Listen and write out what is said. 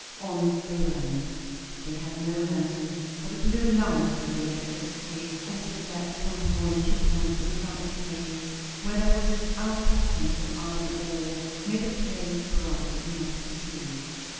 On they ran. They had no lanterns, but the blue light of the electricity, as it leaped from point to point inside the cave, where there were outcroppings of iron ore, made the place bright enough to see.